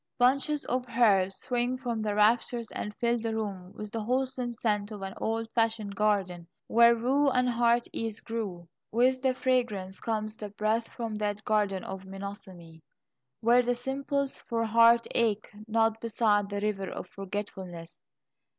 Bunches of herbs swing from the rafters and fill the room with the wholesome scent of an old fashioned garden, where rue and heartsease grew. With the fragrance comes the breath from that garden of Mnemosyne, where the simples for heartache nod beside the River of Forgetfulness.